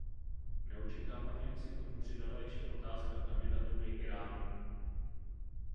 Neočekávaně se k tomu přidala ještě otázka kandidatury Iránu.